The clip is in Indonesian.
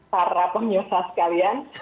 para penyusah sekalian